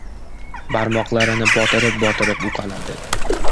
Barmoqlarini botirib-botirib uqaladi.